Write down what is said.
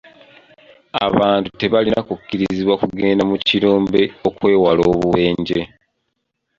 Abantu tebalina kukkirizibwa kugenda mu kirombe okwewala obubenje.